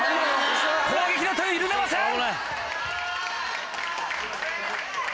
攻撃の手を緩めません！